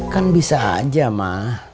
kan bisa aja ma